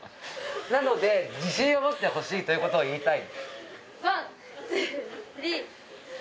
なので、自信を持ってほしいということは言いたい。